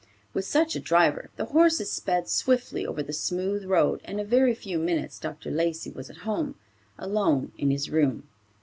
With such a driver the horses sped swiftly over the smooth road and in a very few minutes Dr. Lacey was at home, alone in his room.